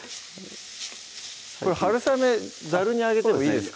これはるさめざるに上げてもいいですか？